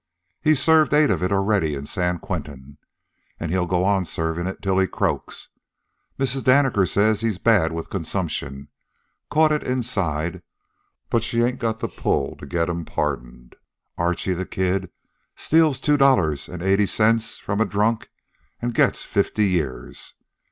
He's served eight of it already in San Quentin. And he'll go on serving it till he croaks. Mrs. Danaker says he's bad with consumption caught it inside, but she ain't got the pull to get'm pardoned. Archie the Kid steals two dollars an' eighty cents from a drunk and gets fifty years.